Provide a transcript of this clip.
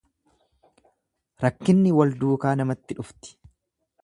Rakkinni wal duukaa namatti dhufti.